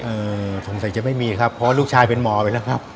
สงสัยจะไม่มีครับเพราะลูกชายเป็นหมอไปแล้วครับ